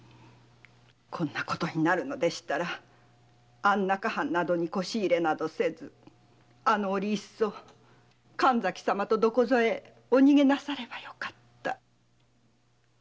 こんなことでしたら安中藩などに輿入れせずあの折いっそ神崎様とどこぞへお逃げなさればよかった。